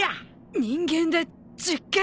人間で実験！？